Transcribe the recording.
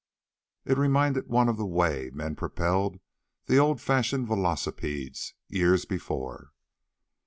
It reminded one of the way men propelled the old fashioned velocipedes years before.